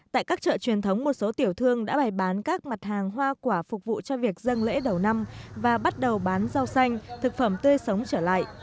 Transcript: tại các chợ truyền thống một số tiểu thương đã bày bán các mặt hàng hoa quả phục vụ cho việc dân lễ đầu năm và bắt đầu bán rau xanh thực phẩm tươi sống trở lại